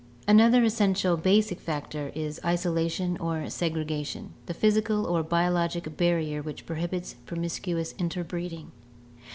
— Another essential basic factor is isolation or segregation, the physical or biologic barrier which prohibits promis cuous interbreeding.